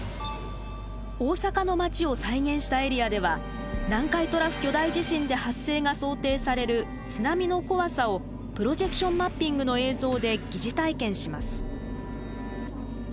大阪の町を再現したエリアでは南海トラフ巨大地震で発生が想定される津波の怖さをプロジェクションマッピングの映像で疑似体験します。